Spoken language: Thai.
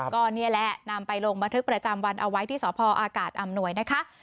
ก็นี่แหละนำไปลงบันทึกประจำวันเอาไว้ที่สพอากาศอำนวยนะคะ